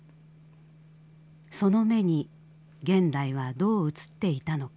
その目に現代はどう映っていたのか。